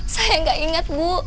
saya gak inget bu